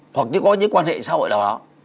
hoặc như có những quan hệ xã hội nào đó